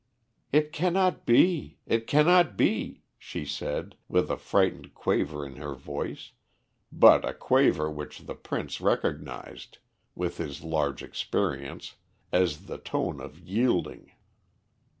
"It cannot be. It cannot be," she said, with a frightened quaver in her voice, but a quaver which the Prince recognised, with his large experience, as the tone of yielding.